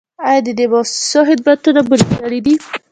آیا د دغو مؤسسو خدمتونه مو لیدلي دي؟